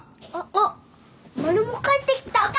あっマルモ帰ってきた。